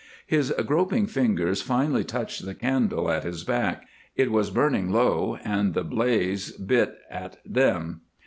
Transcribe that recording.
His groping fingers finally touched the candle at his back; it was burning low, and the blaze bit at them.